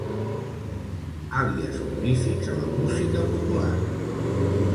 Àlies honorífics a la música popular.